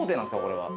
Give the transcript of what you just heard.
これは。